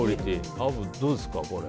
アブ、どうですか？